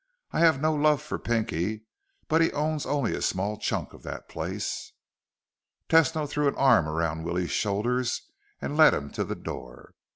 "I have no love for Pinky. But he owns only a small chunk of that place." Tesno threw an arm around Willie's shoulders and led him to the door.